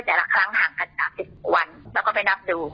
แต่ละครั้งห่างกัน๓๐กว่าวันแล้วก็ไปนับดู